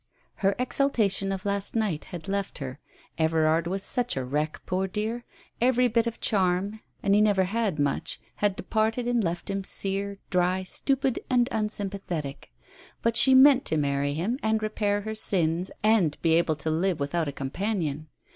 Her exaltation of last night had left her. Everard was such a wreck, poor dear ! Every bit of charm, and he never had much, had departed and left him sear, dry, stupid and unsympathetic. But she meant to marry him, and repair her sins, and be able to live without a companion.